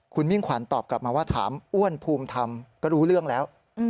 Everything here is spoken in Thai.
คุณมิ่งขวัญตอบกลับมาว่าถามอ้วนภูมิธรรมก็รู้เรื่องแล้ว